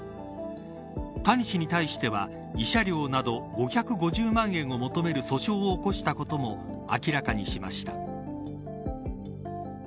谷氏に対しては慰謝料など５５０万円を求める訴訟を起こしたことも明らかにしました。